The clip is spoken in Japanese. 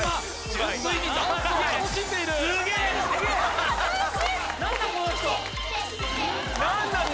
純粋にダンスを楽しんでいるすげえって何なん？